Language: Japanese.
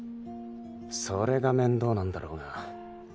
それが面倒なんだろうが。